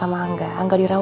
ada orang di depan